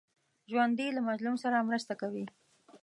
ژوندي له مظلوم سره مرسته کوي